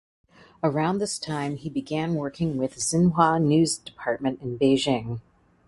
Around this time he began working with Xinhua news department in Beijing.